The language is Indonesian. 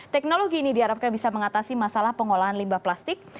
teknologi ini diharapkan bisa mengatasi masalah pengolahan limbah plastik